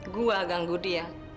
gue ganggu dia